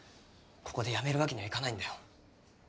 ここでやめるわけにはいかないんだよ。